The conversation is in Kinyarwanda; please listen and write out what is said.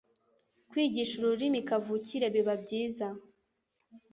Kwigisha ururimi kavukire biba byiza